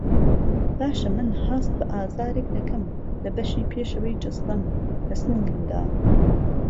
باشه من هەست بە ئازارێک دەکەم لە بەشی پێشەوەی جەستەم له سنگمدا